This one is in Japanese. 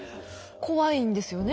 怖いんですよね？